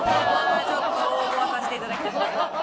ちょっと応募はさせていただきたいですね。